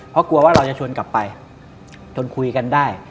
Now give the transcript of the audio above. เพราะกลัวว่าเราจะชวนกลับไปจนคุยกันได้